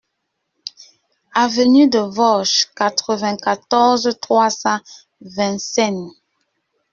Avenue de Vorges, quatre-vingt-quatorze, trois cents Vincennes